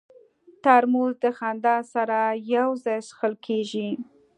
ترموز د خندا سره یو ځای څښل کېږي.